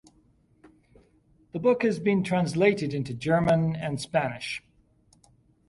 The book has been translated into German and Spanish.